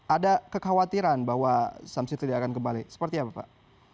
ada kekhawatiran bahwa samsi tidak akan kembali seperti apa pak